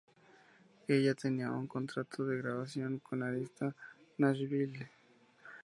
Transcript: Ella tenía un contrato de grabación con Arista Nashville.